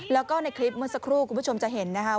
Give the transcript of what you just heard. แล้วก็ในคลิปเมื่อสักครู่คุณผู้ชมจะเห็นนะคะ